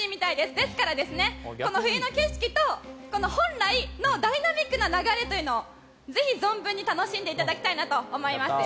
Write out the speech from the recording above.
ですから、この冬の景色と本来のダイナミックな流れというのをぜひ存分に楽しんでいただきたいと思いますよ。